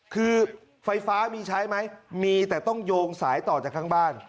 คือไฟฟ้ามีใช้ไหมมีแต่ต้องโยงสายต่อจากข้างบ้าน